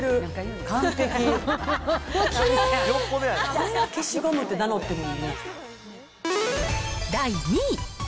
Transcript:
これは消しゴムって名乗ってええわ。